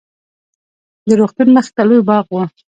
د روغتون مخې ته لوى باغ و.